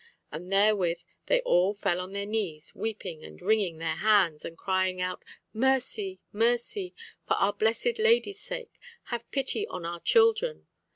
And therewith they all fell on their knees, weeping and wringing their hands, and crying out, 'Mercy, mercy! For our Blessed Lady's sake, have pity on our children!